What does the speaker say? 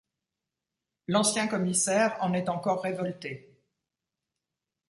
L'ancien commissaire en est encore révolté.